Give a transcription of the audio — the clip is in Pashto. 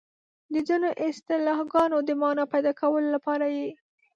د ځینو اصطلاحګانو د مانا پيدا کولو لپاره یې